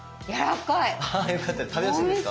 食べやすいですか？